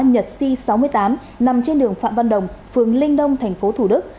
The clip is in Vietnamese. nhật c sáu mươi tám nằm trên đường phạm văn đồng phường linh đông tp thủ đức